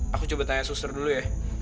aku coba tanya suster dulu ya